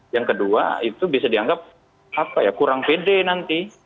yang kedua itu bisa dianggap kurang pede nanti